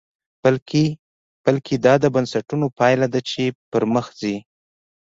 بلکې دا د بنسټونو پایله ده چې پرمخ ځي.